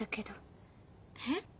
えっ？